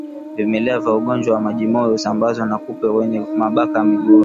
Vimelea vya ugonjwa wa majimoyo husambazwa na kupe wenye mabaka miguuni